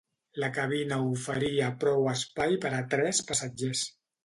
La cabina oferia prou espai per a tres passatgers.